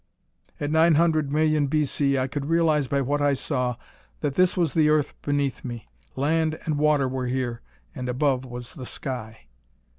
At 900,000,000 B. C. I could realize by what I saw that this was the Earth beneath me. Land and water were here, and above was the sky.